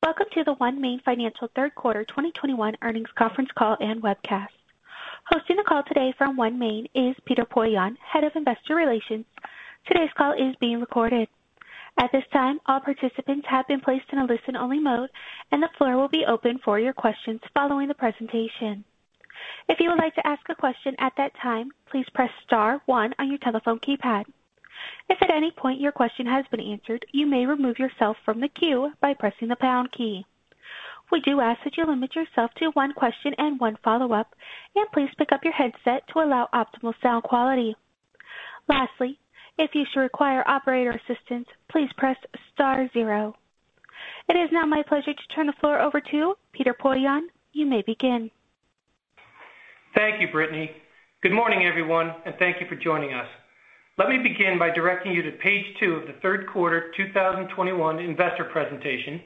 Welcome to the OneMain Financial third quarter 2021 earnings conference call and webcast. Hosting the call today from OneMain is Peter Poillon, Head of Investor Relations. Today's call is being recorded. At this time, all participants have been placed in a listen-only mode, and the floor will be open for your questions following the presentation. If you would like to ask a question at that time, please press star one on your telephone keypad. If at any point your question has been answered, you may remove yourself from the queue by pressing the pound key. We do ask that you limit yourself to one question and one follow-up, and please pick up your headset to allow optimal sound quality. Lastly, if you should require operator assistance, please press star zero. It is now my pleasure to turn the floor over to Peter Poillon. You may begin. Thank you, Britney. Good morning, everyone, and thank you for joining us. Let me begin by directing you to page two of the third quarter 2021 investor presentation,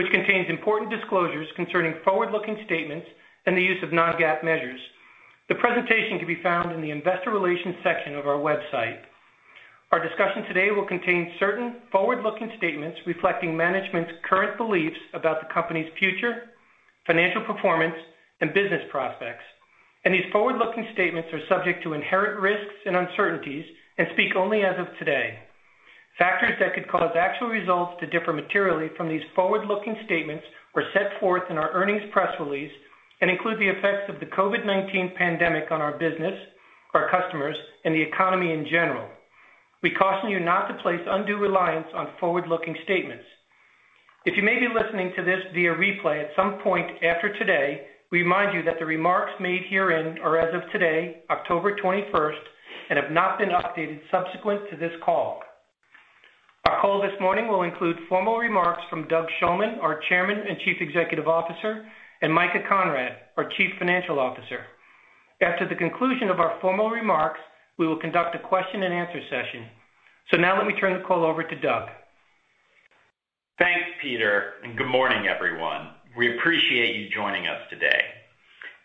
which contains important disclosures concerning forward-looking statements and the use of non-GAAP measures. The presentation can be found in the investor relations section of our website. Our discussion today will contain certain forward-looking statements reflecting management's current beliefs about the company's future, financial performance, and business prospects. These forward-looking statements are subject to inherent risks and uncertainties and speak only as of today. Factors that could cause actual results to differ materially from these forward-looking statements are set forth in our earnings press release and include the effects of the COVID-19 pandemic on our business, our customers, and the economy in general. We caution you not to place undue reliance on forward-looking statements. If you may be listening to this via replay at some point after today, we remind you that the remarks made herein are as of today, October 21st, and have not been updated subsequent to this call. Our call this morning will include formal remarks from Doug Shulman, our Chairman and Chief Executive Officer, and Micah Conrad, our Chief Financial Officer. After the conclusion of our formal remarks, we will conduct a question and answer session. Now let me turn the call over to Doug. Thanks, Peter, and good morning, everyone. We appreciate you joining us today.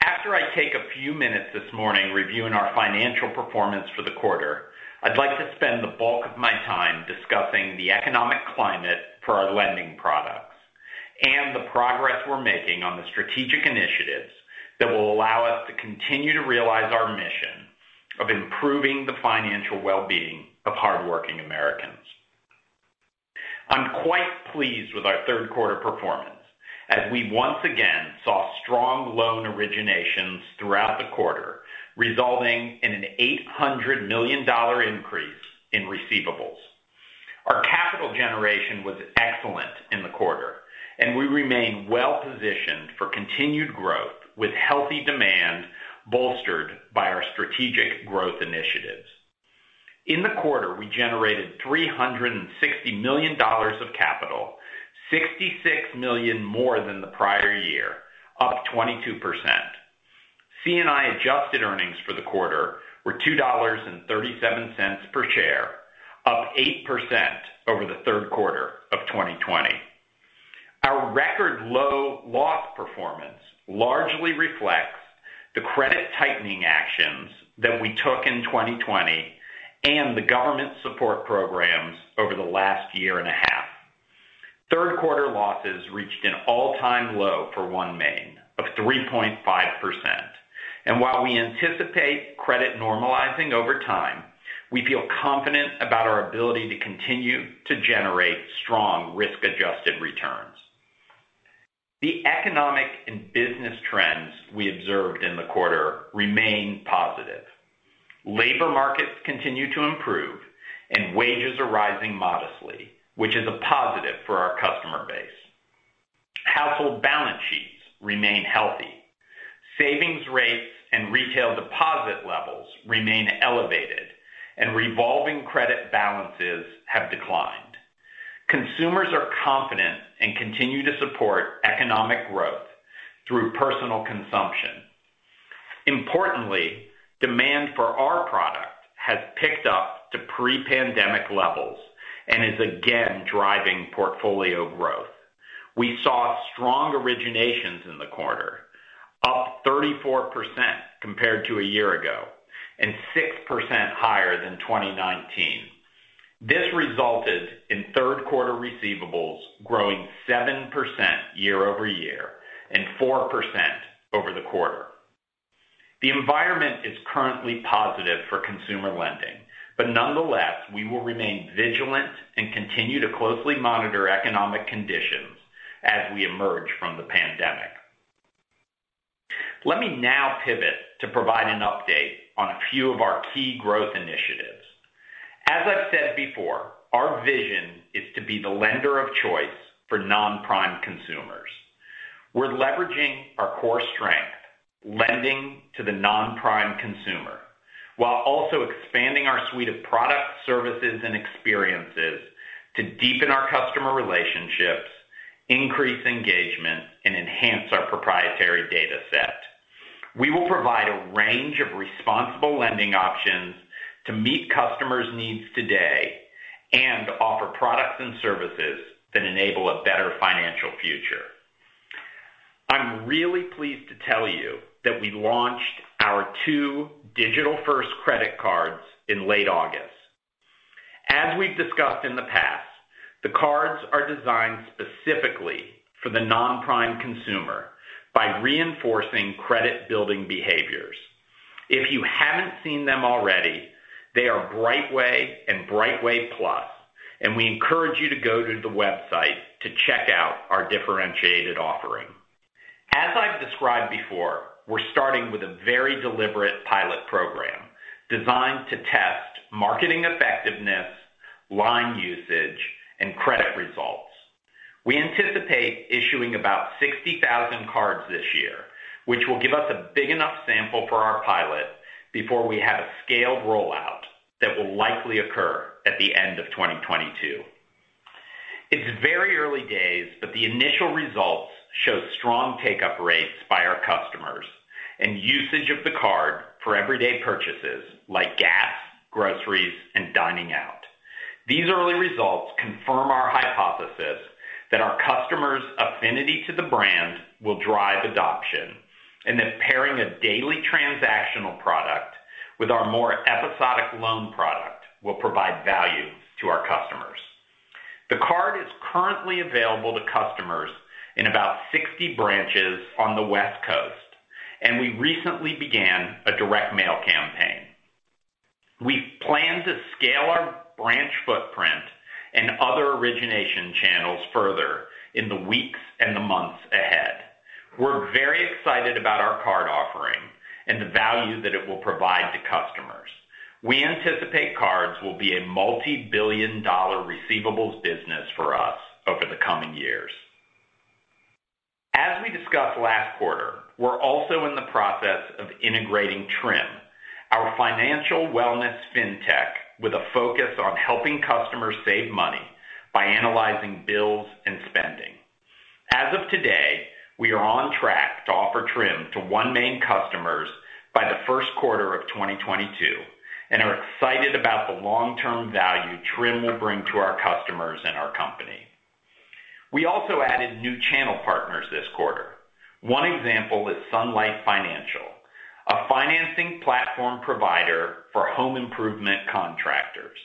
After I take a few minutes this morning reviewing our financial performance for the quarter, I'd like to spend the bulk of my time discussing the economic climate for our lending products and the progress we're making on the strategic initiatives that will allow us to continue to realize our mission of improving the financial well-being of hardworking Americans. I'm quite pleased with our third quarter performance as we once again saw strong loan originations throughout the quarter, resulting in an $800 million increase in receivables. Our capital generation was excellent in the quarter, and we remain well-positioned for continued growth with healthy demand bolstered by our strategic growth initiatives. In the quarter, we generated $360 million of capital, $66 million more than the prior year, up 22%. C&I adjusted earnings for the quarter were $2.37 per share, up 8% over the third quarter of 2020. Our record low loss performance largely reflects the credit tightening actions that we took in 2020 and the government support programs over the last year and a half. Third quarter losses reached an all-time low for OneMain of 3.5%. While we anticipate credit normalizing over time, we feel confident about our ability to continue to generate strong risk-adjusted returns. The economic and business trends we observed in the quarter remain positive. Labor markets continue to improve and wages are rising modestly, which is a positive for our customer base. Household balance sheets remain healthy. Savings rates and retail deposit levels remain elevated, and revolving credit balances have declined. Consumers are confident and continue to support economic growth through personal consumption. Importantly, demand for our product has picked up to pre-pandemic levels and is again driving portfolio growth. We saw strong originations in the quarter, up 34% compared to a year ago and 6% higher than 2019. This resulted in third quarter receivables growing 7% year-over-year and 4% over the quarter. The environment is currently positive for consumer lending, but nonetheless, we will remain vigilant and continue to closely monitor economic conditions as we emerge from the pandemic. Let me now pivot to provide an update on a few of our key growth initiatives. As I've said before, our vision is to be the lender of choice for non-prime consumers. We're leveraging our core strength, lending to the non-prime consumer, while also expanding our suite of products, services, and experiences to deepen our customer relationships, increase engagement, and enhance our proprietary data set. We will provide a range of responsible lending options to meet customers' needs today and offer products and services that enable a better financial future. I'm really pleased to tell you that we launched our two digital-first credit cards in late August. As we've discussed in the past, the cards are designed specifically for the non-prime consumer by reinforcing credit-building behaviors. If you haven't seen them already, they are BrightWay and BrightWay+, and we encourage you to go to the website to check out our differentiated offering. As I've described before, we're starting with a very deliberate pilot program designed to test marketing effectiveness, line usage, and credit results. We anticipate issuing about 60,000 cards this year, which will give us a big enough sample for our pilot before we have a scaled rollout that will likely occur at the end of 2022. It's very early days. The initial results show strong take-up rates by our customers and usage of the card for everyday purchases like gas, groceries, and dining out. These early results confirm our hypothesis that our customers' affinity to the brand will drive adoption, and that pairing a daily transactional product with our more episodic loan product will provide value to our customers. The card is currently available to customers in about 60 branches on the West Coast, and we recently began a direct mail campaign. We plan to scale our branch footprint and other origination channels further in the weeks and the months ahead. We're very excited about our card offering and the value that it will provide to customers. We anticipate cards will be a multi-billion-dollar receivables business for us over the coming years. As we discussed last quarter, we're also in the process of integrating Trim, our financial wellness fintech, with a focus on helping customers save money by analyzing bills and spending. As of today, we are on track to offer Trim to OneMain customers by the first quarter of 2022 and are excited about the long-term value Trim will bring to our customers and our company. We also added new channel partners this quarter. One example is Sunlight Financial, a financing platform provider for home improvement contractors.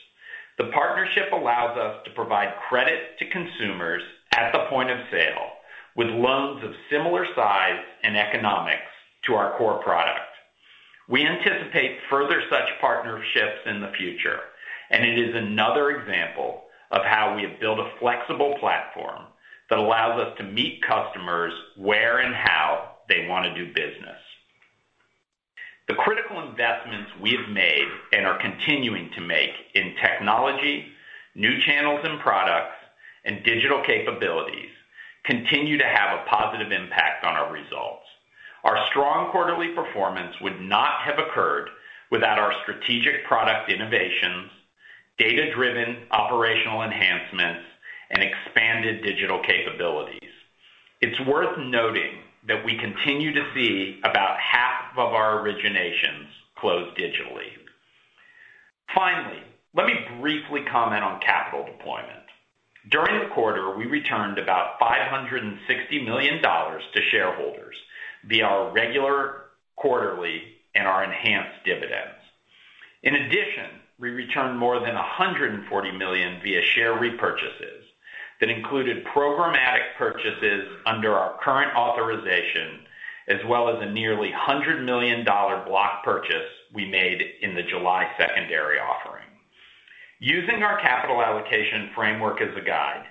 The partnership allows us to provide credit to consumers at the point of sale with loans of similar size and economics to our core product. We anticipate further such partnerships in the future, and it is another example of how we have built a flexible platform that allows us to meet customers where and how they want to do business. The critical investments we have made and are continuing to make in technology, new channels and products, and digital capabilities continue to have a positive impact on our results. Our strong quarterly performance would not have occurred without our strategic product innovations, data-driven operational enhancements, and expanded digital capabilities. It's worth noting that we continue to see about half of our originations close digitally. Finally, let me briefly comment on capital deployment. During the quarter, we returned about $560 million to shareholders via our regular quarterly and our enhanced dividends. In addition, we returned more than $140 million via share repurchases. That included programmatic purchases under our current authorization, as well as a nearly $100 million block purchase we made in the July secondary offering. Using our capital allocation framework as a guide,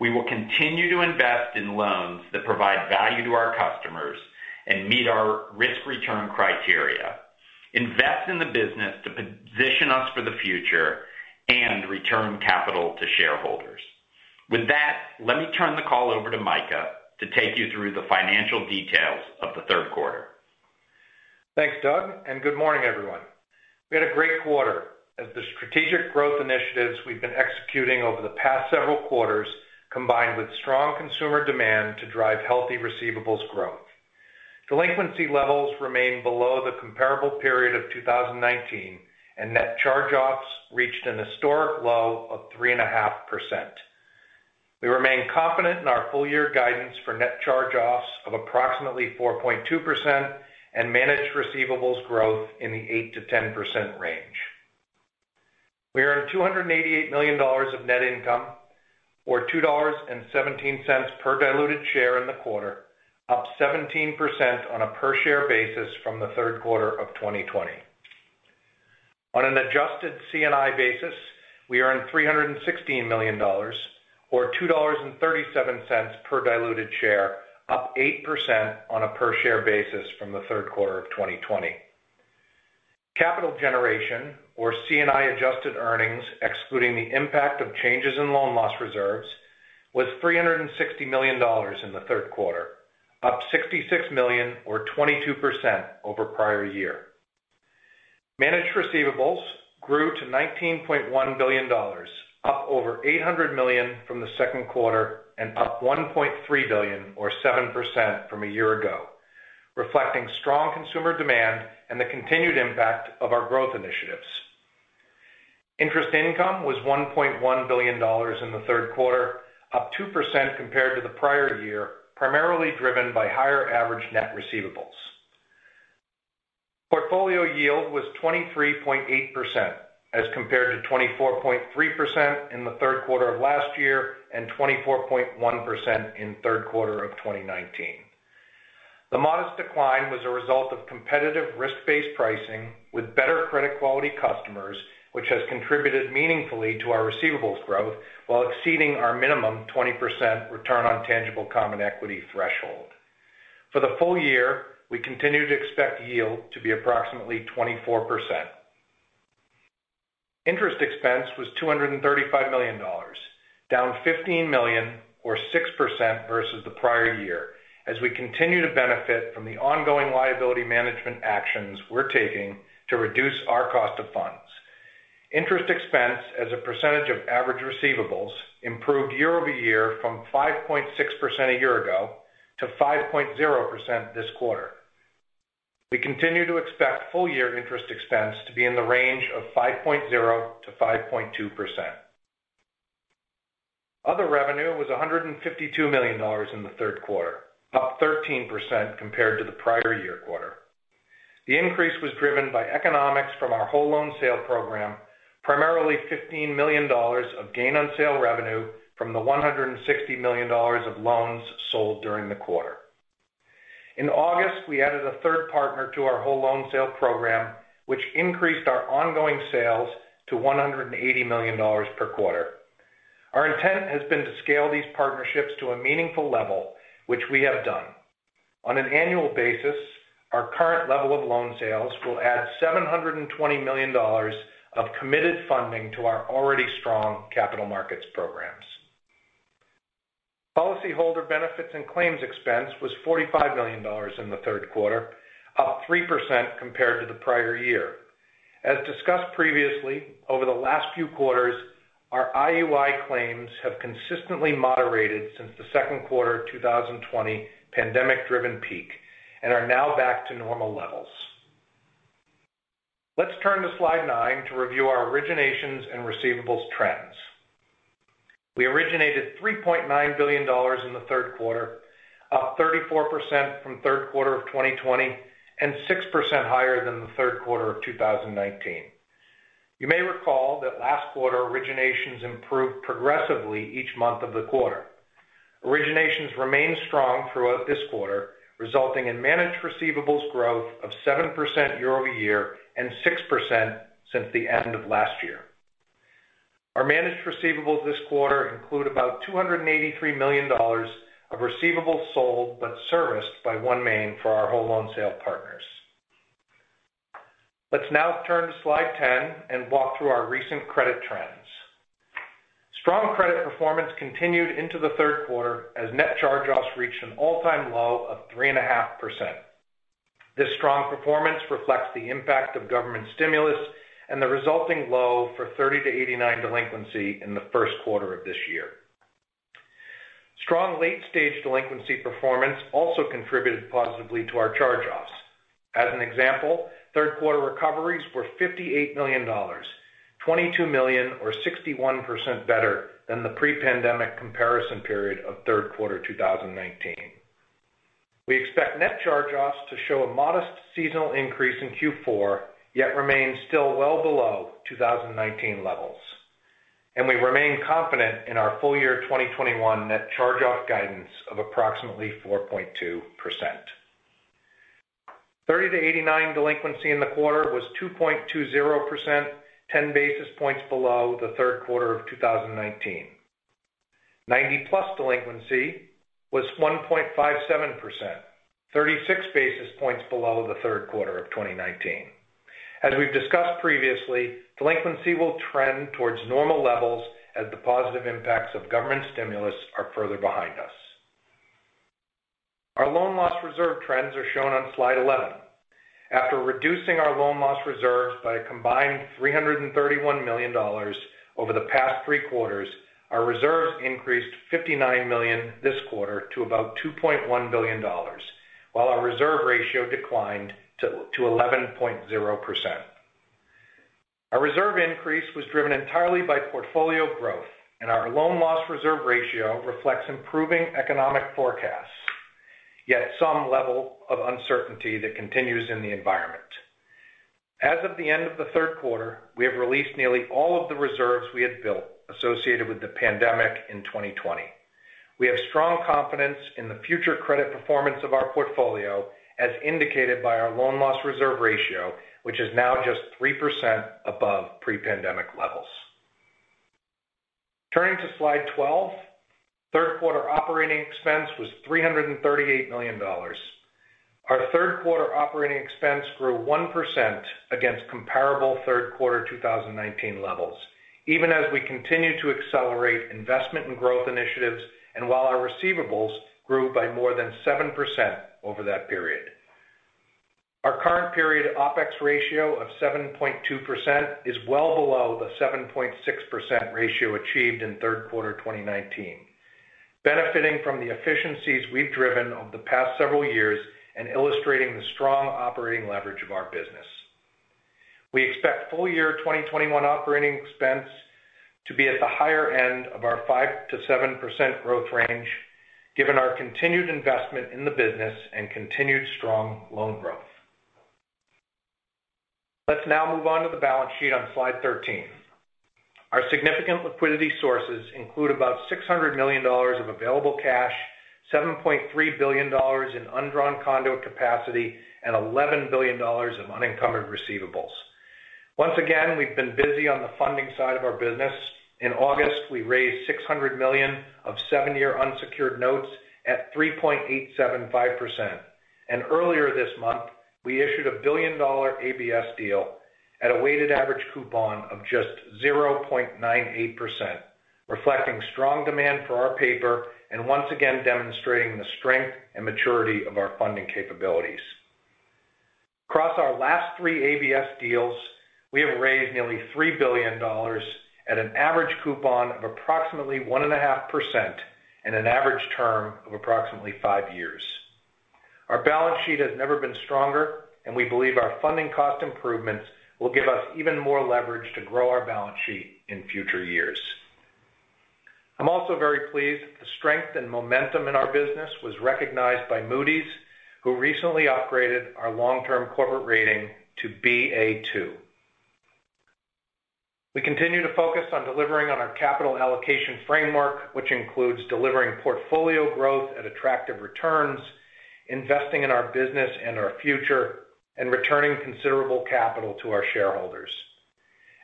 we will continue to invest in loans that provide value to our customers and meet our risk-return criteria, invest in the business to position us for the future, and return capital to shareholders. With that, let me turn the call over to Micah to take you through the financial details of the third quarter. Thanks, Doug. Good morning, everyone. We had a great quarter as the strategic growth initiatives we've been executing over the past several quarters combined with strong consumer demand to drive healthy receivables growth. Delinquency levels remain below the comparable period of 2019, and net charge-offs reached an historic low of 3.5%. We remain confident in our full-year guidance for net charge-offs of approximately 4.2% and managed receivables growth in the 8%-10% range. We earned $288 million of net income, or $2.17 per diluted share in the quarter, up 17% on a per-share basis from the third quarter of 2020. On an adjusted C&I basis, we earned $316 million, or $2.37 per diluted share, up 8% on a per-share basis from the third quarter of 2020. Capital generation, or C&I adjusted earnings, excluding the impact of changes in loan loss reserves, was $360 million in the third quarter, up $66 million or 22% over prior year. Managed receivables grew to $19.1 billion, up over $800 million from the second quarter and up $1.3 billion or 7% from a year ago, reflecting strong consumer demand and the continued impact of our growth initiatives. Interest income was $1.1 billion in the third quarter, up 2% compared to the prior year, primarily driven by higher average net receivables. Portfolio yield was 23.8%, as compared to 24.3% in the third quarter of last year and 24.1% in third quarter of 2019. The modest decline was a result of competitive risk-based pricing with better credit quality customers, which has contributed meaningfully to our receivables growth while exceeding our minimum 20% return on tangible common equity threshold. For the full year, we continue to expect yield to be approximately 24%. Interest expense was $235 million, down $15 million or 6% versus the prior year as we continue to benefit from the ongoing liability management actions we're taking to reduce our cost of funds. Interest expense as a percentage of average receivables improved year-over-year from 5.6% a year ago to 5.0% this quarter. We continue to expect full year interest expense to be in the range of 5.0%-5.2%. Other revenue was $152 million in the third quarter, up 13% compared to the prior year quarter. The increase was driven by economics from our whole loan sale program, primarily $15 million of gain on sale revenue from the $160 million of loans sold during the quarter. In August, we added a third partner to our whole loan sale program, which increased our ongoing sales to $180 million per quarter. Our intent has been to scale these partnerships to a meaningful level, which we have done. On an annual basis, our current level of loan sales will add $720 million of committed funding to our already strong capital markets programs. Policyholder benefits and claims expense was $45 million in the third quarter, up 3% compared to the prior year. As discussed previously, over the last few quarters, our IUI claims have consistently moderated since the second quarter of 2020 pandemic-driven peak and are now back to normal levels. Let's turn to slide 9 to review our originations and receivables trends. We originated $3.9 billion in the third quarter, up 34% from third quarter of 2020 and 6% higher than the third quarter of 2019. You may recall that last quarter, originations improved progressively each month of the quarter. Originations remained strong throughout this quarter, resulting in managed receivables growth of 7% year-over-year and 6% since the end of last year. Our managed receivables this quarter include about $283 million of receivables sold but serviced by OneMain for our whole loan sale partners. Let's now turn to slide 10 and walk through our recent credit trends. Strong credit performance continued into the third quarter as net charge-offs reached an all-time low of 3.5%. This strong performance reflects the impact of government stimulus and the resulting low for 30 to 89 delinquency in the first quarter of this year. Strong late-stage delinquency performance also contributed positively to our charge-offs. As an example, third quarter recoveries were $58 million, $22 million or 61% better than the pre-pandemic comparison period of third quarter 2019. We expect net charge-offs to show a modest seasonal increase in Q4, yet remain still well below 2019 levels. We remain confident in our full year 2021 net charge-off guidance of approximately 4.2%. 30 to 89 delinquency in the quarter was 2.20%, 10 basis points below the third quarter of 2019. 90+ delinquency was 1.57%, 36 basis points below the third quarter of 2019. As we've discussed previously, delinquency will trend towards normal levels as the positive impacts of government stimulus are further behind us. Our loan loss reserve trends are shown on slide 11. After reducing our loan loss reserves by a combined $331 million over the past three quarters, our reserves increased $59 million this quarter to about $2.1 billion, while our reserve ratio declined to 11.0%. Our reserve increase was driven entirely by portfolio growth, and our loan loss reserve ratio reflects improving economic forecasts, yet some level of uncertainty that continues in the environment. As of the end of the third quarter, we have released nearly all of the reserves we had built associated with the pandemic in 2020. We have strong confidence in the future credit performance of our portfolio as indicated by our loan loss reserve ratio, which is now just 3% above pre-pandemic levels. Turning to slide 12, third quarter operating expense was $338 million. Our third quarter operating expense grew 1% against comparable third quarter 2019 levels, even as we continue to accelerate investment and growth initiatives and while our receivables grew by more than 7% over that period. Our current period OPEX ratio of 7.2% is well below the 7.6% ratio achieved in third quarter 2019, benefiting from the efficiencies we've driven over the past several years and illustrating the strong operating leverage of our business. We expect full year 2021 operating expense to be at the higher end of our 5%-7% growth range, given our continued investment in the business and continued strong loan growth. Let's now move on to the balance sheet on slide 13. Our significant liquidity sources include about $600 million of available cash, $7.3 billion in undrawn conduit capacity, and $11 billion of unencumbered receivables. Once again, we've been busy on the funding side of our business. In August, we raised $600 million of seven-year unsecured notes at 3.875%. Earlier this month, we issued a billion-dollar ABS deal at a weighted average coupon of just 0.98%, reflecting strong demand for our paper, and once again, demonstrating the strength and maturity of our funding capabilities. Across our last three ABS deals, we have raised nearly $3 billion at an average coupon of approximately 1.5% and an average term of approximately five years. Our balance sheet has never been stronger. We believe our funding cost improvements will give us even more leverage to grow our balance sheet in future years. I'm also very pleased that the strength and momentum in our business was recognized by Moody's, who recently upgraded our long-term corporate rating to Ba2. We continue to focus on delivering on our capital allocation framework, which includes delivering portfolio growth at attractive returns, investing in our business and our future, and returning considerable capital to our shareholders.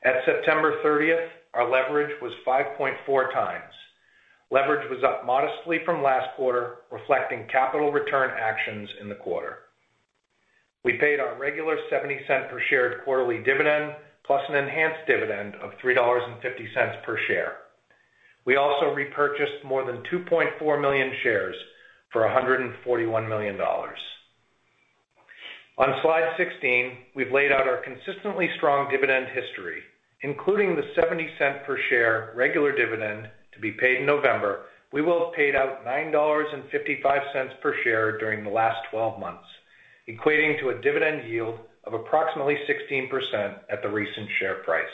At September 30th, our leverage was 5.4 times. Leverage was up modestly from last quarter, reflecting capital return actions in the quarter. We paid our regular $0.70 per share quarterly dividend, plus an enhanced dividend of $3.50 per share. We also repurchased more than 2.4 million shares for $141 million. On slide 16, we've laid out our consistently strong dividend history. Including the $0.70 per share regular dividend to be paid in November, we will have paid out $9.55 per share during the last 12 months, equating to a dividend yield of approximately 16% at the recent share price.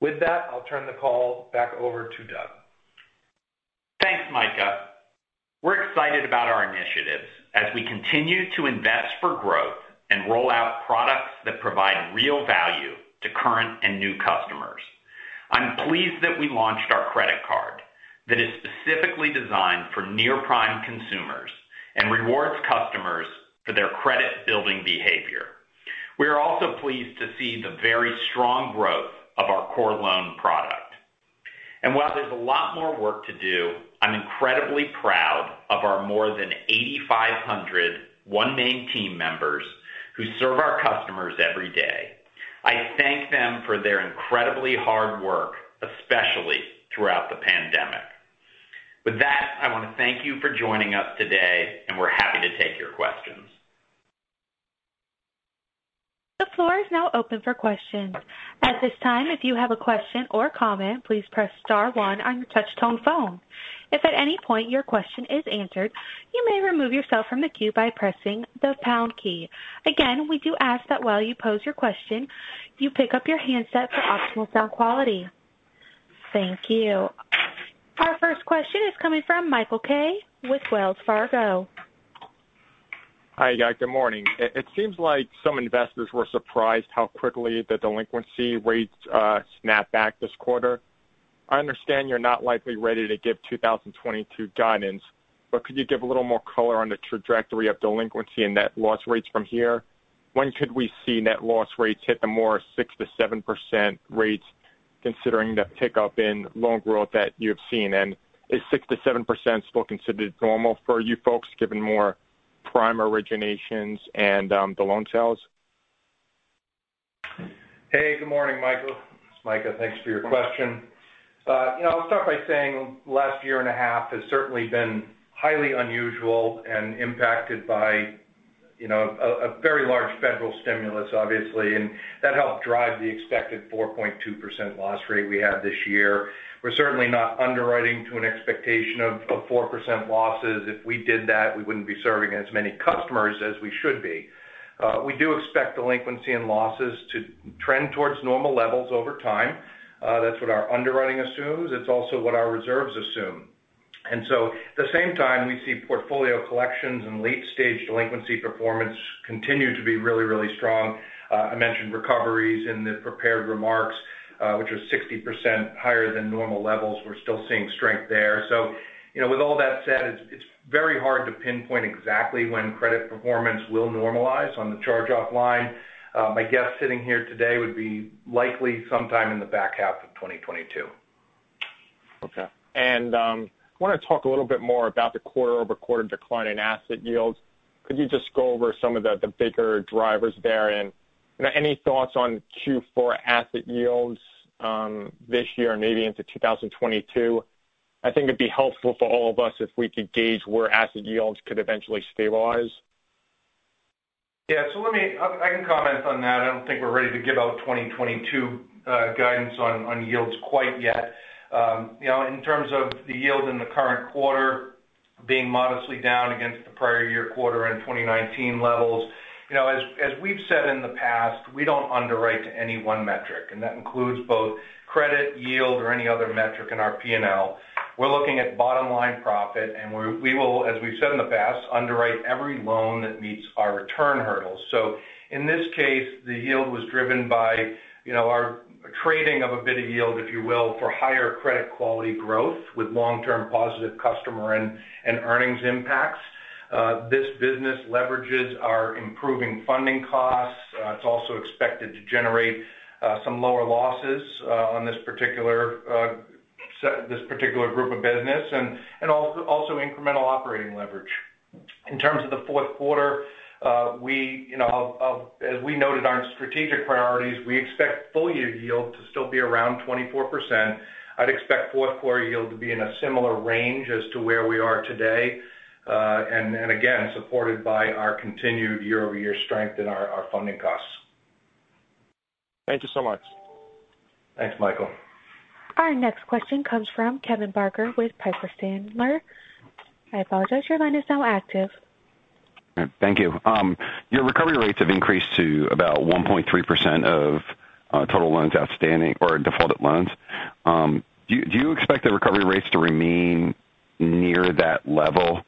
With that, I'll turn the call back over to Doug. Thanks, Micah. We're excited about our initiatives as we continue to invest for growth and roll out products that provide real value to current and new customers. I'm pleased that we launched our credit card that is specifically designed for near-prime consumers and rewards customers for their credit-building behavior. We are also pleased to see the very strong growth of our core loan product. While there's a lot more work to do, I'm incredibly proud of our more than 8,500 OneMain team members who serve our customers every day. I thank them for their incredibly hard work, especially throughout the pandemic. With that, I want to thank you for joining us today, and we're happy to take your questions. The floor is now open for questions. At this time, if you have a question or comment, please press star one on your touch-tone phone. If at any point, your question is answered, you may remove yourself from the queue by pressing the pound key. Again, we do ask that while you pose your question, you pick up your headset to optimal sound quality. Thank you. Our first question is coming from Michael Kaye with Wells Fargo. Hi, guys. Good morning. It seems like some investors were surprised how quickly the delinquency rates snapped back this quarter. I understand you're not likely ready to give 2022 guidance. Could you give a little more color on the trajectory of delinquency and net loss rates from here? When could we see net loss rates hit the more 6%-7% rates considering the pickup in loan growth that you have seen? Is 6%-7% still considered normal for you folks, given more prime originations and the loan sales? Hey, good morning, Michael. It's Micah. Thanks for your question. I'll start by saying last year and a half has certainly been highly unusual and impacted by a very large federal stimulus, obviously, and that helped drive the expected 4.2% loss rate we had this year. We're certainly not underwriting to an expectation of 4% losses. If we did that, we wouldn't be serving as many customers as we should be. We do expect delinquency and losses to trend towards normal levels over time. That's what our underwriting assumes. It's also what our reserves assume. At the same time, we see portfolio collections and late-stage delinquency performance continue to be really, really strong. I mentioned recoveries in the prepared remarks, which was 60% higher than normal levels. We're still seeing strength there. With all that said, it's very hard to pinpoint exactly when credit performance will normalize on the charge-off line. My guess sitting here today would be likely sometime in the back half of 2022. Okay. I want to talk a little bit more about the quarter-over-quarter decline in asset yields. Could you just go over some of the bigger drivers there? Any thoughts on Q4 asset yields this year and maybe into 2022? I think it'd be helpful for all of us if we could gauge where asset yields could eventually stabilize. I can comment on that. I don't think we're ready to give out 2022 guidance on yields quite yet. In terms of the yield in the current quarter being modestly down against the prior year quarter and 2019 levels. As we've said in the past, we don't underwrite to any one metric, and that includes both credit, yield or any other metric in our P&L. We're looking at bottom line profit, and we will, as we've said in the past, underwrite every loan that meets our return hurdles. In this case, the yield was driven by our trading of a bit of yield, if you will, for higher credit quality growth with long-term positive customer and earnings impacts. This business leverages our improving funding costs. It's also expected to generate some lower losses on this particular group of business and also incremental operating leverage. In terms of the fourth quarter, as we noted our strategic priorities, we expect full-year yield to still be around 24%. I'd expect fourth quarter yield to be in a similar range as to where we are today. Again, supported by our continued year-over-year strength in our funding costs. Thank you so much. Thanks, Michael. Our next question comes from Kevin Barker with Piper Sandler. I apologize. Your line is now active. Thank you. Your recovery rates have increased to about 1.3% of total loans outstanding or defaulted loans. Do you expect the recovery rates to remain near that level,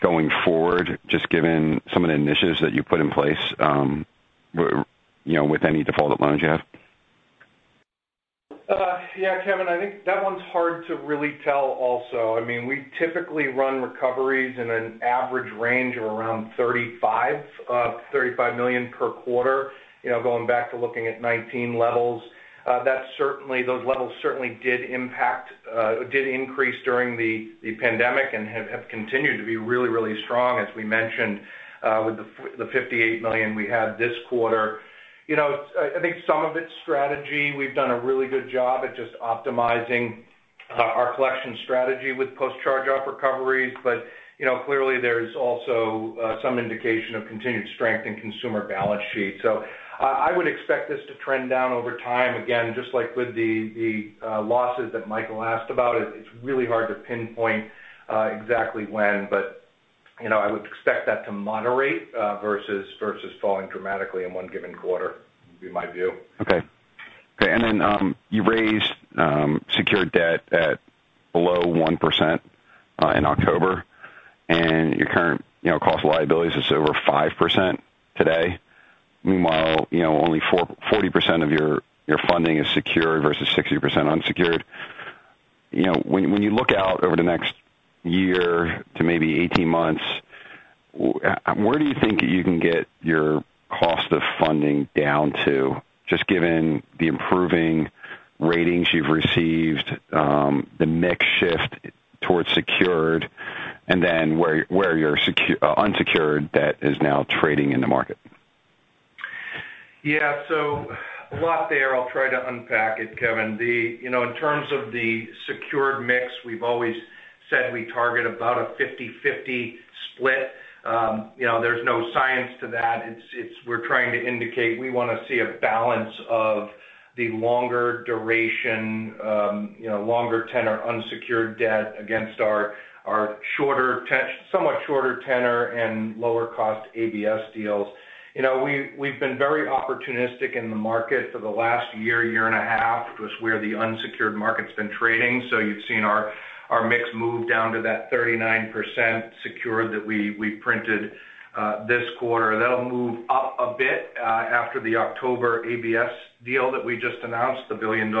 going forward, just given some of the initiatives that you've put in place with any defaulted loans you have? Yeah, Kevin, I think that one's hard to really tell also. We typically run recoveries in an average range of around $35 million per quarter. Going back to looking at 2019 levels. Those levels certainly did increase during the pandemic and have continued to be really, really strong, as we mentioned, with the $58 million we had this quarter. I think some of it's strategy. We've done a really good job at just optimizing our collection strategy with post-charge-off recoveries. Clearly there's also some indication of continued strength in consumer balance sheets. I would expect this to trend down over time. Again, just like with the losses that Michael Kaye asked about, it's really hard to pinpoint exactly when, but I would expect that to moderate versus falling dramatically in one given quarter, would be my view. Okay. You raised secured debt at below 1% in October, and your current cost of liabilities is over 5% today. Meanwhile, only 40% of your funding is secured versus 60% unsecured. When you look out over the next year to maybe 18 months, where do you think you can get your cost of funding down to, just given the improving ratings you've received, the mix shift towards secured, and then where your unsecured debt is now trading in the market? Yeah. A lot there. I'll try to unpack it, Kevin. In terms of the secured mix, we've always said we target about a 50/50 split. There's no science to that. We're trying to indicate we want to see a balance of the longer duration, longer tenor unsecured debt against our somewhat shorter tenor and lower cost ABS deals. We've been very opportunistic in the market for the last year and a half. It was where the unsecured market's been trading. You've seen our mix move down to that 39% secured that we printed this quarter. That'll move up a bit after the October ABS deal that we just announced, the $1 billion.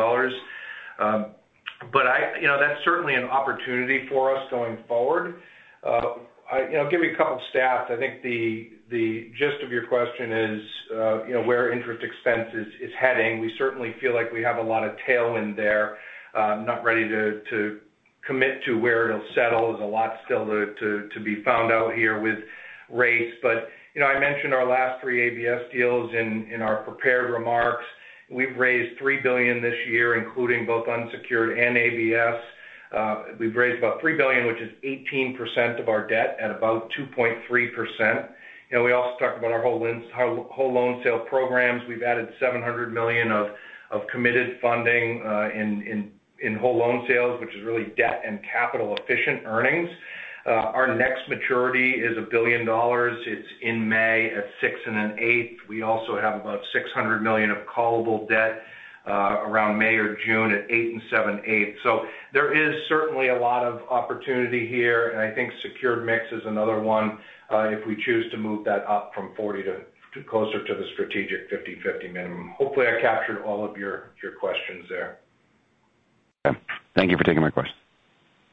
That's certainly an opportunity for us going forward. I'll give you a couple of stats. I think the gist of your question is where interest expense is heading. We certainly feel like we have a lot of tailwind there. Not ready to commit to where it'll settle. There's a lot still to be found out here with rates. I mentioned our last three ABS deals in our prepared remarks. We've raised $3 billion this year, including both unsecured and ABS. We've raised about $3 billion, which is 18% of our debt at about 2.3%. We also talked about our whole loan sale programs. We've added $700 million of committed funding in whole loan sales, which is really debt and capital-efficient earnings. Our next maturity is $1 billion. It's in May at 6.125%. We also have about $600 million of callable debt around May or June at 8.875%. There is certainly a lot of opportunity here, and I think secured mix is another one if we choose to move that up from 40% to closer to the strategic 50/50 minimum. Hopefully, I captured all of your questions there. Okay. Thank you for taking my question.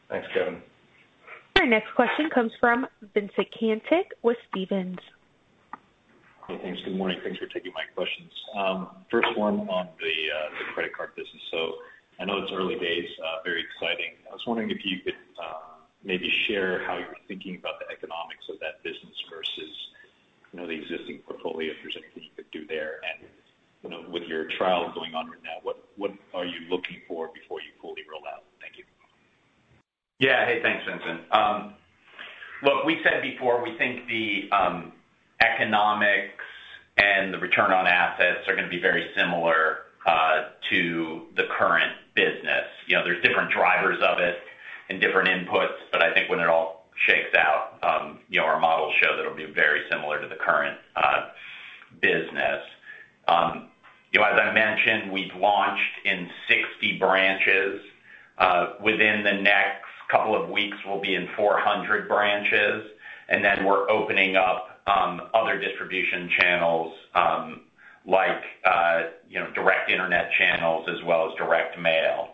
Thanks, Kevin. Our next question comes from Vincent Caintic with Stephens. Hey, thanks. Good morning. Thanks for taking my questions. First one on the credit card business. I know it's early days, very exciting. I was wondering if you could maybe share how you're thinking about the economics of that business versus the existing portfolio, if there's anything you could do there you're looking for before you fully roll out? Thank you. Yeah. Hey, thanks, Vincent. Look, we said before, we think the economics and the return on assets are going to be very similar to the current business. There's different drivers of it and different inputs, but I think when it all shakes out, our models show that it'll be very similar to the current business. As I mentioned, we've launched in 60 branches. Within the next couple of weeks, we'll be in 400 branches, and then we're opening up other distribution channels, like direct internet channels as well as direct mail.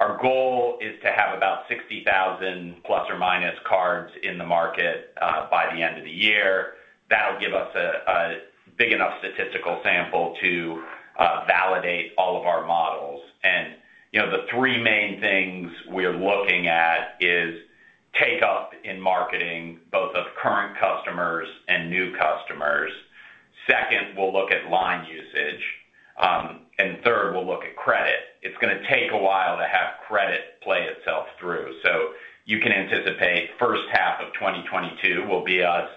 Our goal is to have about 60,000 plus or minus cards in the market by the end of the year. That'll give us a big enough statistical sample to validate all of our models. The three main things we're looking at is take-up in marketing, both of current customers and new customers. Second, we'll look at line usage. Third, we'll look at credit. It's going to take a while to have credit play itself through. You can anticipate the first half of 2022 will be us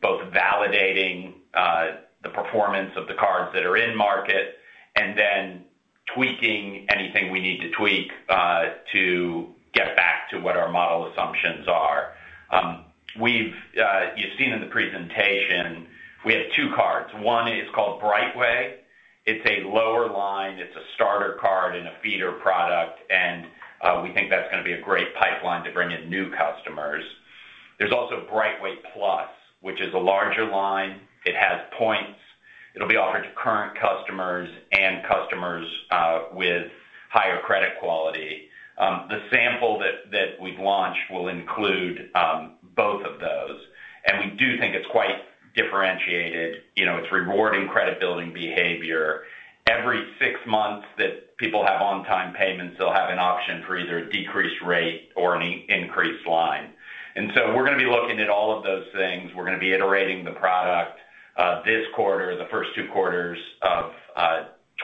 both validating the performance of the cards that are in market and then tweaking anything we need to tweak to get back to what our model assumptions are. You've seen in the presentation, we have two cards. One is called BrightWay. It's a lower line. It's a starter card and a feeder product, and we think that's going to be a great pipeline to bring in new customers. There's also BrightWay+, which is a larger line. It has points. It'll be offered to current customers and customers with higher credit quality. The sample that we've launched will include both of those. We do think it's quite differentiated. It's rewarding credit building behavior. Every six months that people have on-time payments, they'll have an option for either a decreased rate or an increased line. We're going to be looking at all of those things. We're going to be iterating the product this quarter, the first two quarters of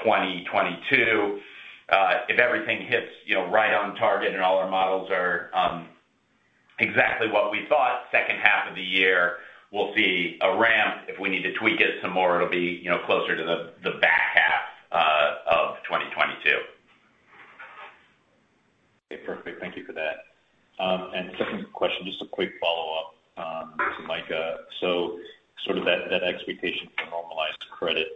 2022. If everything hits right on target and all our models are exactly what we thought, second half of the year, we'll see a ramp. If we need to tweak it some more, it'll be closer to the back half of 2022. Okay. Perfect. Thank you for that. Second question, just a quick follow-up to Mike. Sort of that expectation for normalized credit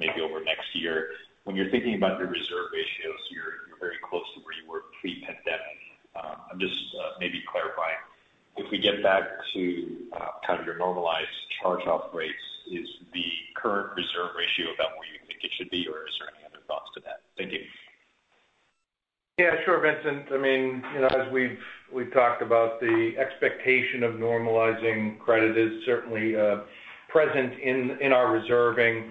maybe over next year. When you're thinking about your reserve ratios, you're very close to where you were pre-pandemic. I'm just maybe clarifying. If we get back to kind of your normalized charge-off rates, is the current reserve ratio about where you think it should be, or is there any other thoughts to that? Thank you. Yeah, sure, Vincent. As we've talked about, the expectation of normalizing credit is certainly present in our reserving.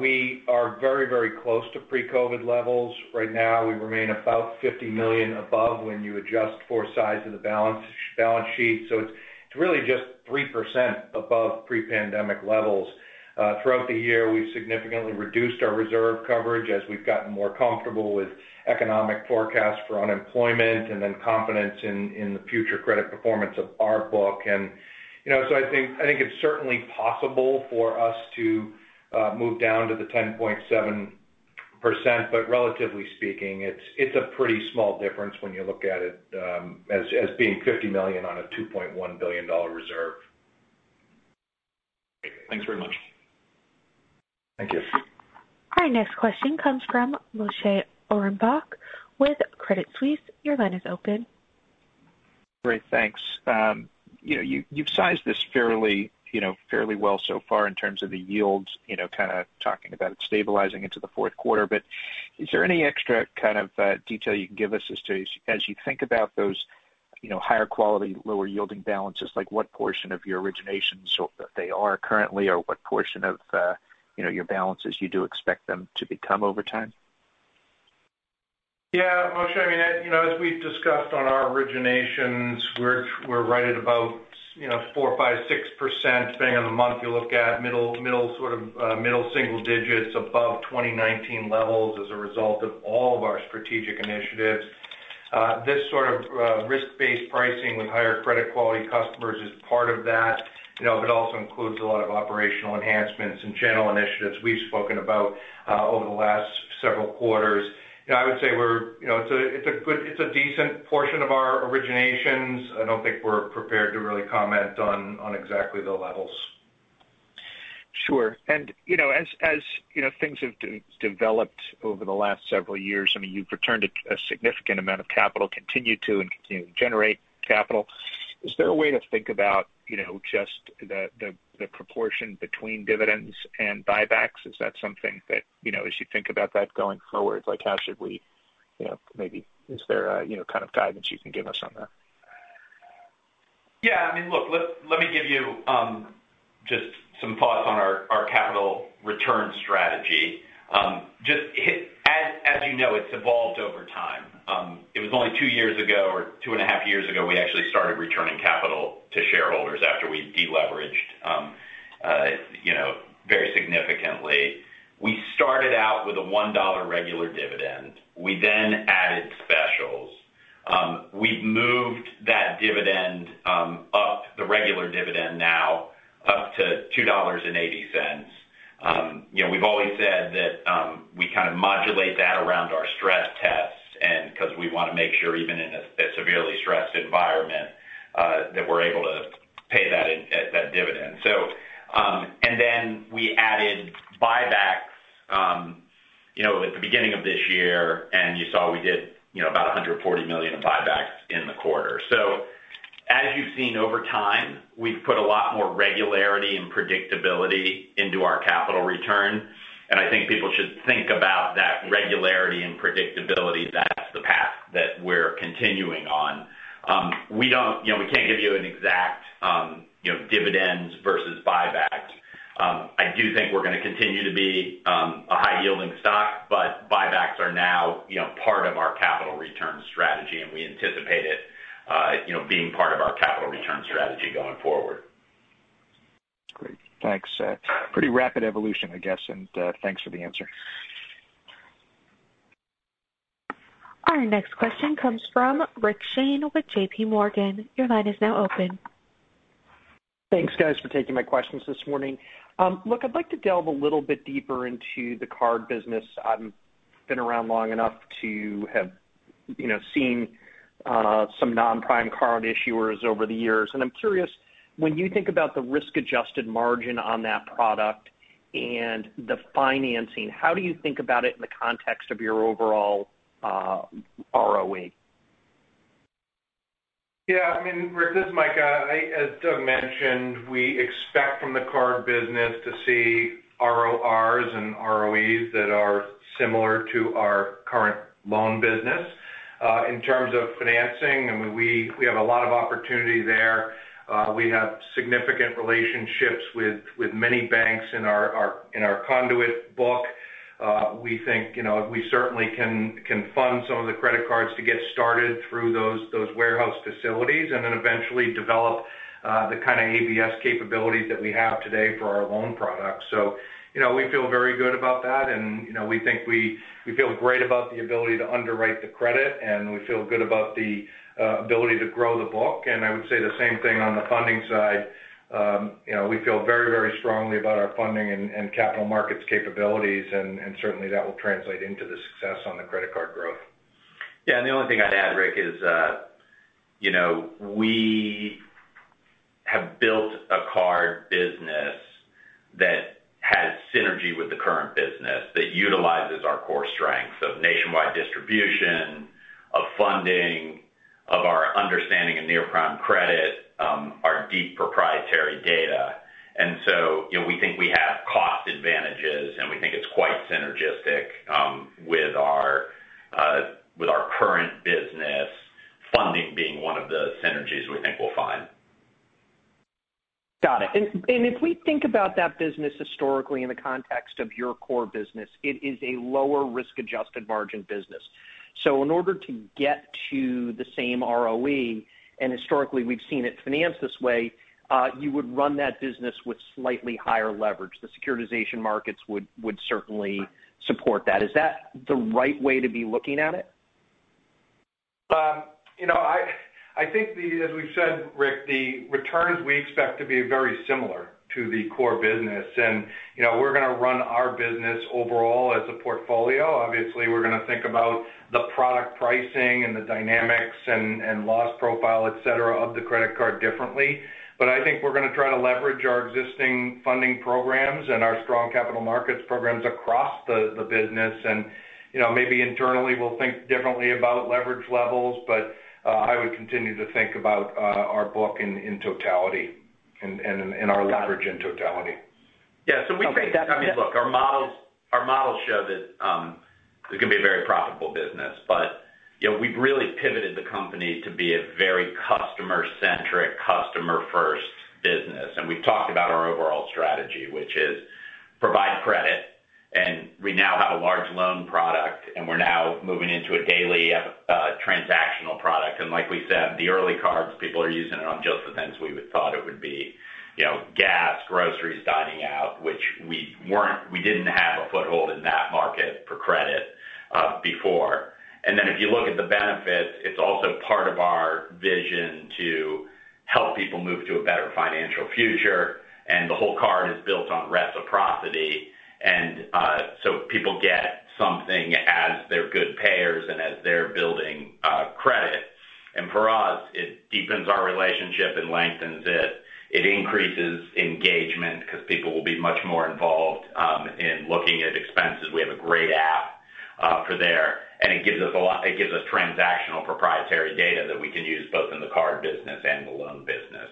We are very close to pre-COVID levels right now. We remain about $50 million above when you adjust for size of the balance sheet. It's really just 3% above pre-pandemic levels. Throughout the year, we've significantly reduced our reserve coverage as we've gotten more comfortable with economic forecasts for unemployment and then confidence in the future credit performance of our book. I think it's certainly possible for us to move down to the 10.7%, but relatively speaking, it's a pretty small difference when you look at it as being $50 million on a $2.1 billion reserve. Great. Thanks very much. Thank you. Our next question comes from Moshe Orenbuch with Credit Suisse. Your line is open. Great. Thanks. You've sized this fairly well so far in terms of the yields, kind of talking about it stabilizing into the fourth quarter. Is there any extra kind of detail you can give us as to, as you think about those higher quality, lower yielding balances, like what portion of your originations they are currently, or what portion of your balances you do expect them to become over time? Yeah. Moshe, as we've discussed on our originations, we're right at about 4%, 5%, 6%, depending on the month you look at. Middle single digits above 2019 levels as a result of all of our strategic initiatives. This sort of risk-based pricing with higher credit quality customers is part of that but also includes a lot of operational enhancements and channel initiatives we've spoken about over the last several quarters. I would say it's a decent portion of our originations. I don't think we're prepared to really comment on exactly the levels. Sure. As things have developed over the last several years, you've returned a significant amount of capital and continue to generate capital. Is there a way to think about just the proportion between dividends and buybacks? Is that something that as you think about that going forward, is there a kind of guidance you can give us on that? Yeah. Look, let me give you just some thoughts on our capital return strategy. As you know, it's evolved over time. It was only two years ago or two and a half years ago, we actually started returning capital to shareholders after we de-leveraged very significantly. We started out with a $1 regular dividend. We then added specials. We've moved that dividend up, the regular dividend now up to $2.80. We've always said that we kind of modulate that around our stress tests because we want to make sure even in a severely stressed environment, that we're able to pay that dividend. We added buybacks at the beginning of this year, and you saw we did about $140 million in buybacks in the quarter. As you've seen over time, we've put a lot more regularity and predictability into our capital return, and I think people should think about that regularity and predictability. That's the path that we're continuing on. We can't give you an exact dividends versus buybacks. I do think we're going to continue to be a high-yielding stock, but buybacks are now part of our capital return strategy, and we anticipate it being part of our capital return strategy going forward. Great. Thanks. Pretty rapid evolution, I guess, and thanks for the answer. Our next question comes from Rich Shane with JPMorgan. Your line is now open. Thanks, guys, for taking my questions this morning. Look, I'd like to delve a little bit deeper into the card business. I've been around long enough to have seen some non-prime card issuers over the years. I'm curious, when you think about the risk-adjusted margin on that product and the financing, how do you think about it in the context of your overall ROE? Rick, this is Mike. As Doug mentioned, we expect from the card business to see ROAs and ROEs that are similar to our current loan business. In terms of financing, we have a lot of opportunity there. We have significant relationships with many banks in our conduit book. We think we certainly can fund some of the credit cards to get started through those warehouse facilities and then eventually develop the kind of ABS capabilities that we have today for our loan products. We feel very good about that, and we feel great about the ability to underwrite the credit, and we feel good about the ability to grow the book. I would say the same thing on the funding side. We feel very strongly about our funding and capital markets capabilities. Certainly that will translate into the success on the credit card growth. Yeah, the only thing I'd add, Rick, is we have built a card business that has synergy with the current business that utilizes our core strengths of nationwide distribution, of funding, of our understanding of near-prime credit, our deep proprietary data. We think we have cost advantages, and we think it's quite synergistic with our current business, funding being one of the synergies we think we'll find. Got it. If we think about that business historically in the context of your core business, it is a lower risk-adjusted margin business. In order to get to the same ROE, and historically we've seen it financed this way, you would run that business with slightly higher leverage. The securitization markets would certainly support that. Is that the right way to be looking at it? I think as we've said, Rick, the returns we expect to be very similar to the core business. We're going to run our business overall as a portfolio. Obviously, we're going to think about the product pricing and the dynamics and loss profile, et cetera, of the credit card differently. I think we're going to try to leverage our existing funding programs and our strong capital markets programs across the business. Maybe internally, we'll think differently about leverage levels, but I would continue to think about our book in totality and our leverage in totality. Yeah. Look, our models show that it can be a very profitable business. We've really pivoted the company to be a very customer-centric, customer-first business. We've talked about our overall strategy, which is provide credit, and we now have a large loan product, and we're now moving into a daily transactional product. Like we said, the early cards, people are using it on just the things we would thought it would be, gas, groceries, dining out, which we didn't have a foothold in that market for credit before. Then if you look at the benefits, it's also part of our vision to help people move to a better financial future. The whole card is built on reciprocity. So people get something as they're good payers and as they're building credit. For us, it deepens our relationship and lengthens it. It increases engagement because people will be much more involved in looking at expenses. We have a great app for there, and it gives us transactional proprietary data that we can use both in the card business and the loan business.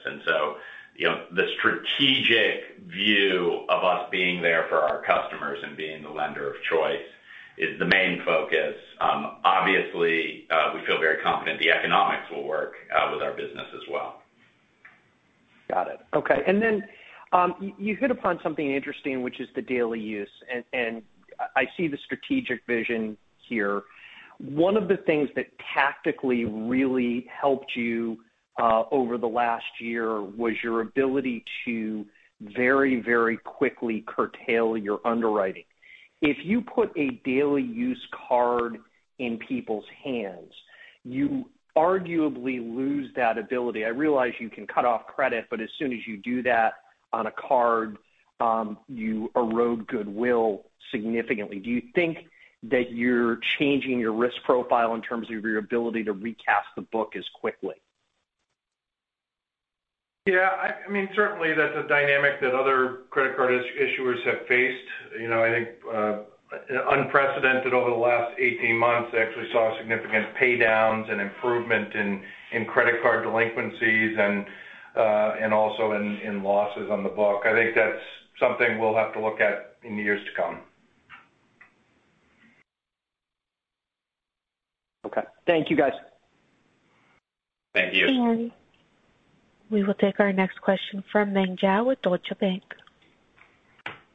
The strategic view of us being there for our customers and being the lender of choice is the main focus. Obviously, we feel very confident the economics will work with our business as well. Got it. Okay. You hit upon something interesting, which is the daily use, and I see the strategic vision here. One of the things that tactically really helped you over the last year was your ability to very quickly curtail your underwriting. If you put a daily use card in people's hands, you arguably lose that ability. I realize you can cut off credit, as soon as you do that on a card, you erode goodwill significantly. Do you think that you're changing your risk profile in terms of your ability to recast the book as quickly? Yeah. Certainly, that's a dynamic that other credit card issuers have faced. I think unprecedented over the last 18 months, they actually saw significant pay-downs and improvement in credit card delinquencies and also in losses on the book. I think that's something we'll have to look at in years to come. Okay. Thank you, guys. Thank you. We will take our next question from Meng Jiao with Deutsche Bank.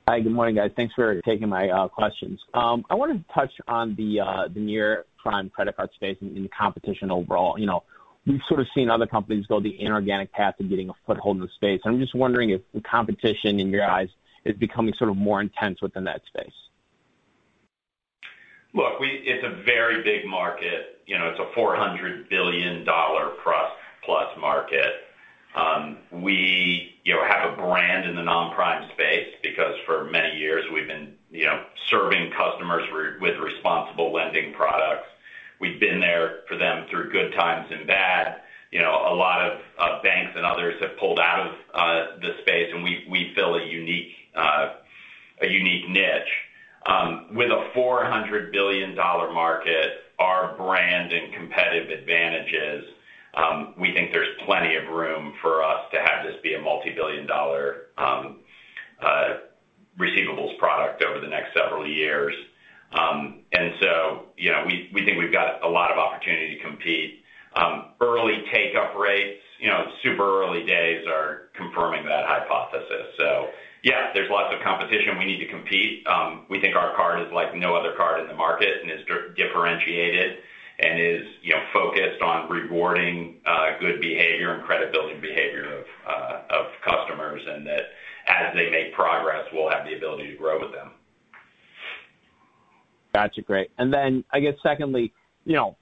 Hi. Good morning, guys. Thanks for taking my questions. I wanted to touch on the near-prime credit card space and the competition overall. We've sort of seen other companies go the inorganic path of getting a foothold in the space, and I'm just wondering if the competition, in your guys, is becoming more intense within that space. Look, it's a very big market. It's a $400 billion+ market. We have a brand in the nonprime space because for many years we've been serving customers with responsible lending products. We've been there for them through good times and bad. A lot of banks and others have pulled out of this space, and we fill a unique niche. With a $400 billion market, our brand, and competitive advantages, we think there's plenty of room for us to have this be a multibillion-dollar receivables product over the next several years. We think we've got a lot of opportunity to compete. Early take-up rates, super early days are confirming that hypothesis. Yeah, there's lots of competition. We need to compete. We think our card is like no other card in the market and is differentiated and is focused on rewarding good behavior and credit-building behavior of customers, and that as they make progress, we'll have the ability to grow with them. Got you. Great. I guess secondly,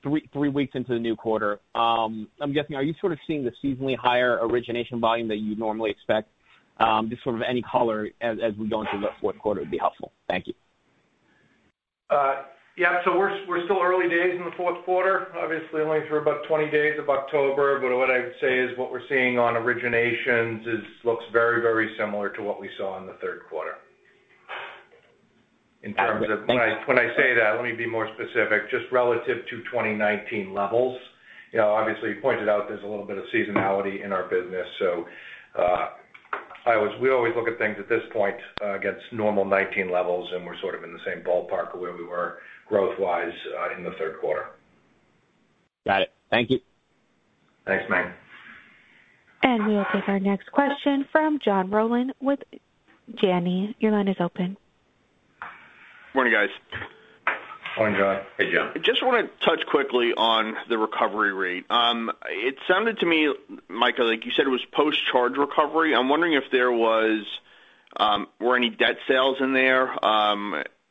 three weeks into the new quarter, I'm guessing, are you sort of seeing the seasonally higher origination volume that you'd normally expect? Just any color as we go into the fourth quarter would be helpful. Thank you. Yeah. We're still early days in the fourth quarter. Obviously, only through about 20 days of October. What I would say is what we're seeing on originations looks very similar to what we saw in the third quarter. Got it. When I say that, let me be more specific, just relative to 2019 levels. Obviously, you pointed out there's a little bit of seasonality in our business. We always look at things at this point against normal 2019 levels, and we're sort of in the same ballpark of where we were growth-wise in the third quarter. Got it. Thank you. Thanks, Meng. We will take our next question from John Rowan with Janney. Your line is open. Morning, guys. Morning, John. Hey, John. I just want to touch quickly on the recovery rate. It sounded to me, Michael, like you said it was post-charge recovery. I'm wondering if there were any debt sales in there,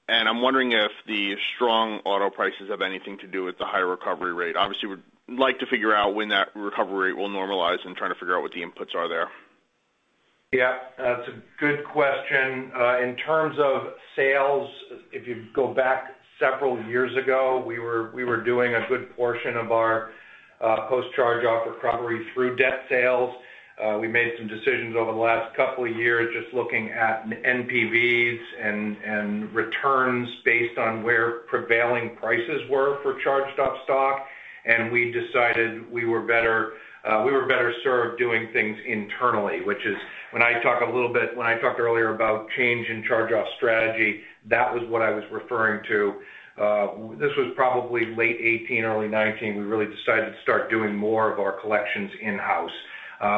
and I'm wondering if the strong auto prices have anything to do with the high recovery rate. I would like to figure out when that recovery rate will normalize and trying to figure out what the inputs are there. Yeah. That's a good question. In terms of sales, if you go back several years ago, we were doing a good portion of our post-charge-off recovery through debt sales. We made some decisions over the last couple of years just looking at NPVs and returns based on where prevailing prices were for charged-off stock, and we decided we were better served doing things internally. When I talked earlier about change in charge-off strategy, that was what I was referring to. This was probably late 2018, early 2019. We really decided to start doing more of our collections in-house.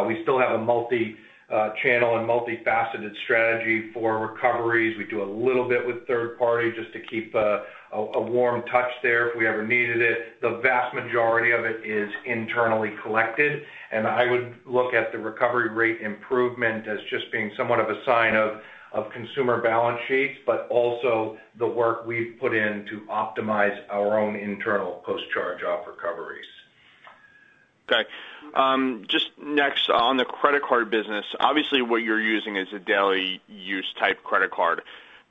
We still have a multi-channel and multifaceted strategy for recoveries. We do a little bit with third party just to keep a warm touch there if we ever needed it. The vast majority of it is internally collected, I would look at the recovery rate improvement as just being somewhat of a sign of consumer balance sheets, but also the work we've put in to optimize our own internal post-charge-off recoveries. Just next, on the credit card business. Obviously, what you're using is a daily use-type credit card.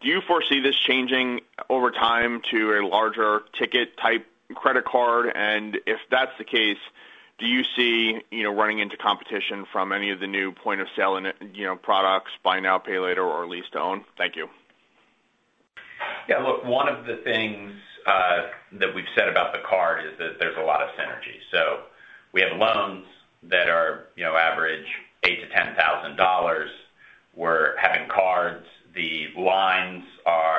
Do you foresee this changing over time to a larger ticket-type credit card? If that's the case, do you see running into competition from any of the new point-of-sale products, buy now, pay later, or lease-to-own? Thank you. Yeah. Look, one of the things that we've said about the card is that there's a lot of synergies. We have loans that are average $8,000-$10,000. We're having cards. The lines are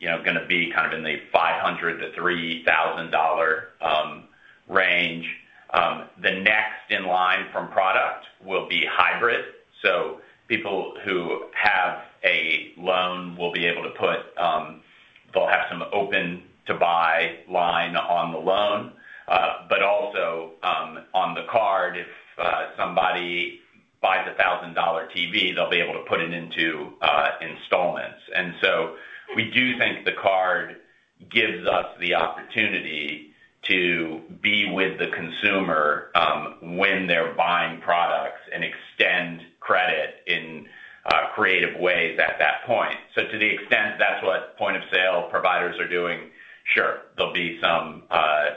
going to be in the $500-$3,000 range. The next in line from product will be hybrid. People who have a loan will have some open to buy line on the loan. Also, on the card, if somebody buys a $1,000 TV, they'll be able to put it into installments. We do think the card gives us the opportunity to be with the consumer, when they're buying products and extend credit in creative ways at that point. To the extent that's what point-of-sale providers are doing, sure, there'll be some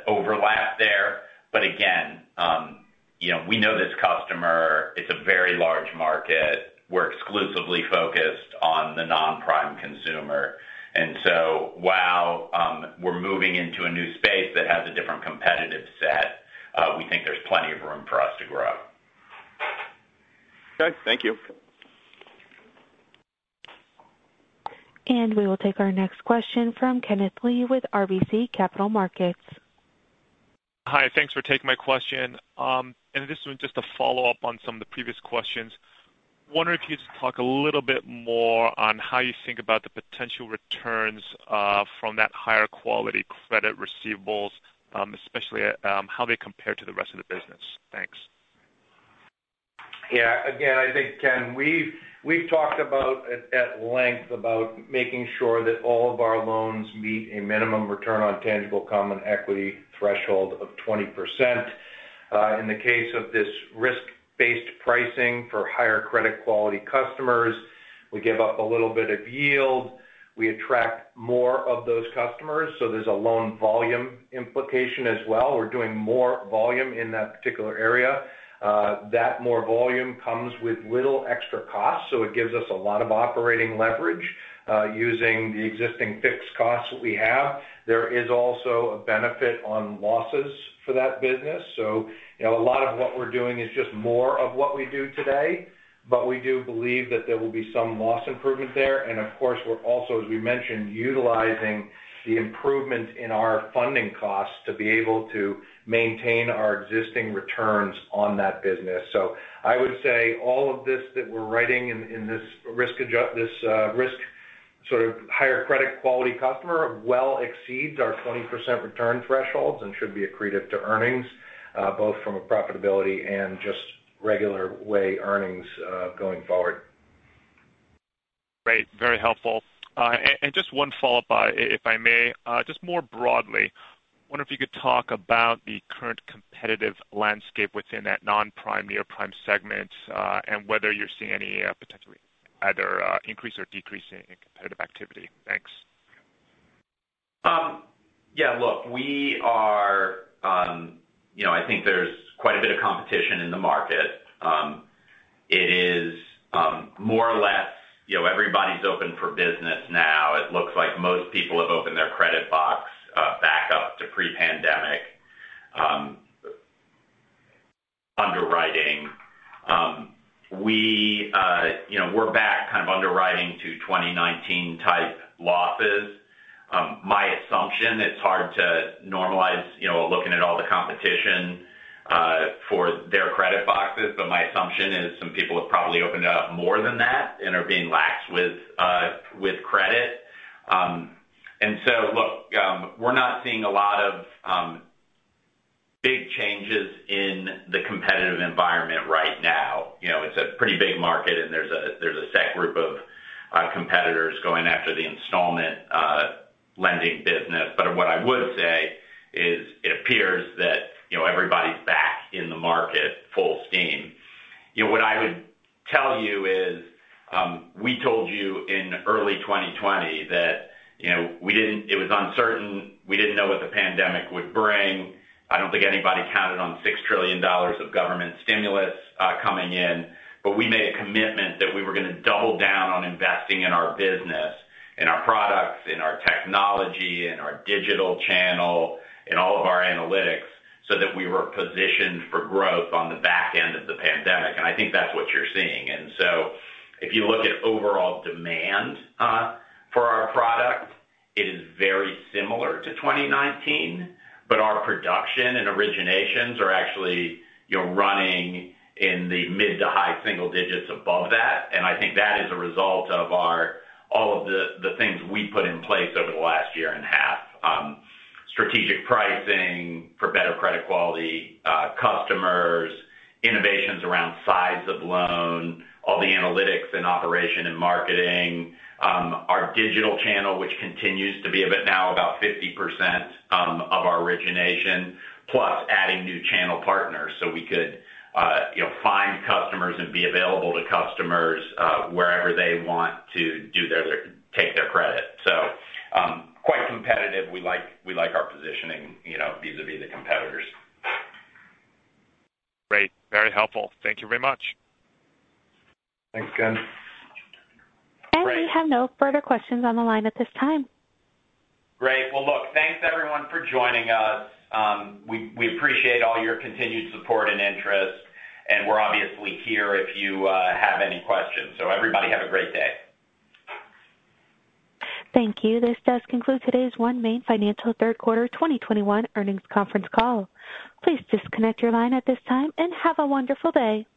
overlap there. Again, we know this customer, it's a very large market. We're exclusively focused on the non-prime consumer. While we're moving into a new space that has a different competitive set, we think there's plenty of room for us to grow. Okay. Thank you. We will take our next question from Kenneth Lee with RBC Capital Markets. Hi. Thanks for taking my question. This one's just a follow-up on some of the previous questions. Wondering if you could just talk a little bit more on how you think about the potential returns from that higher quality credit receivables, especially how they compare to the rest of the business. Thanks. Yeah. Again, I think, Ken, we've talked about at length about making sure that all of our loans meet a minimum return on tangible common equity threshold of 20%. In the case of this risk-based pricing for higher credit quality customers, we give up a little bit of yield. We attract more of those customers. There's a loan volume implication as well. We're doing more volume in that particular area. That more volume comes with little extra cost, so it gives us a lot of operating leverage, using the existing fixed costs that we have. There is also a benefit on losses for that business. A lot of what we're doing is just more of what we do today, but we do believe that there will be some loss improvement there. Of course, we're also, as we mentioned, utilizing the improvements in our funding costs to be able to maintain our existing returns on that business. I would say all of this that we're writing in this risk higher credit quality customer well exceeds our 20% return thresholds and should be accretive to earnings, both from a profitability and just regular way earnings, going forward. Great. Very helpful. Just one follow-up, if I may. Just more broadly, wonder if you could talk about the current competitive landscape within that non-prime, near prime segment, and whether you're seeing any potentially either increase or decrease in competitive activity? Thanks. Yeah. Look, I think there's quite a bit of competition in the market. It is more or less everybody's open for business now. It looks like most people have opened their credit box back up to pre-pandemic underwriting. We're back underwriting to 2019-type losses. My assumption, it's hard to normalize looking at all the competition for their credit boxes, my assumption is some people have probably opened it up more than that and are being lax with credit. Look, we're not seeing a lot of big changes in the competitive environment right now. It's a pretty big market, there's a set group of competitors going after the installment lending business. What I would say is it appears that everybody's back in the market full steam. What I would tell you is, we told you in early 2020 that it was uncertain. We didn't know what the pandemic would bring. I don't think anybody counted on $6 trillion of government stimulus coming in. We made a commitment that we were going to double down on investing in our business, in our products, in our technology, in our digital channel, in all of our analytics, so that we were positioned for growth on the back end of the pandemic. I think that's what you're seeing. If you look at overall demand for our product, it is very similar to 2019, but our production and originations are actually running in the mid to high single digits above that. I think that is a result of all of the things we put in place over the last one and a half years. Strategic pricing for better credit quality customers, innovations around size of loan, all the analytics and operation and marketing. Our digital channel, which continues to be now about 50% of our origination. Adding new channel partners so we could find customers and be available to customers wherever they want to take their credit. Quite competitive. We like our positioning vis-a-vis the competitors. Great. Very helpful. Thank you very much. Thanks, Ken. We have no further questions on the line at this time. Great. Well, look, thanks everyone for joining us. We appreciate all your continued support and interest, and we're obviously here if you have any questions. Everybody have a great day. Thank you. This does conclude today's OneMain Financial Third Quarter 2021 Earnings Conference Call. Please disconnect your line at this time and have a wonderful day.